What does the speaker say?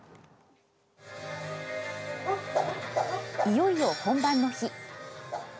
いよいよ本番の日。